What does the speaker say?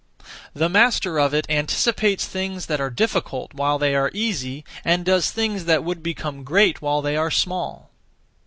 (The master of it) anticipates things that are difficult while they are easy, and does things that would become great while they are small.